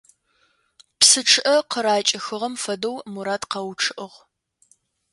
Псы чъыӏэ къыракӏыхыгъэм фэдэу Мурат къэучъыӏыгъ.